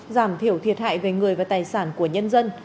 giảm thiểu thiệt hại về người và tài sản của nhân dân